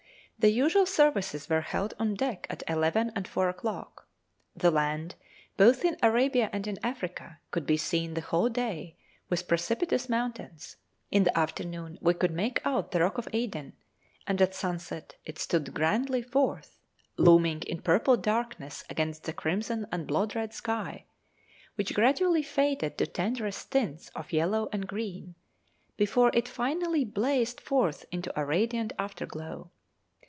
The usual services were held on deck at eleven and four o'clock. The land, both in Arabia and in Africa, could be seen the whole day, with precipitous mountains. In the afternoon we could make out the rock of Aden, and at sunset it stood grandly forth, looming in purple darkness against the crimson and blood red sky, which gradually faded to tenderest tints of yellow and green, before it finally blazed forth into a radiant afterglow.